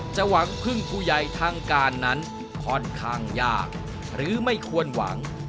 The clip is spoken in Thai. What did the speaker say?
หวังพึ่งผู้ใหญ่ทางการนั้นค่อนข้างยากหรือไม่ควรหวัง